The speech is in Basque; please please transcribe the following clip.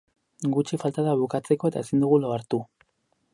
Gutxi falta da bukatzeko eta ezin dugu lo hartu.